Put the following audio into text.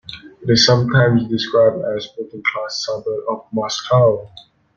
It is sometimes described as a working class suburb of Moscow.